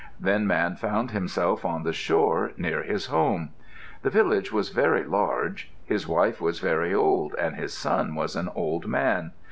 Then Man found himself on the shore near his home. The village was very large. His wife was very old and his son was an old man.